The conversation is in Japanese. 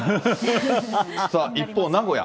さあ、一方、名古屋。